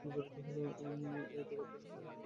এত কথার কী হলো এখানে?